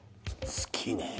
好きねぇ